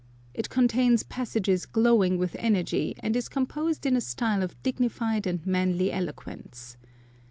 It contains passages glow ing with energy, and is composed in a style of dignified and manly eloquence.